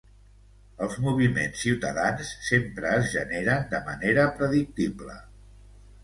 Els moviments ciutadans sempre es generen de manera predictible.